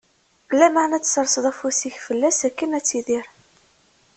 Lameɛna ad tserseḍ afus-ik fell-as akken ad tidir.